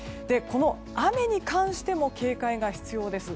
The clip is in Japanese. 雨に関しても、警戒が必要です。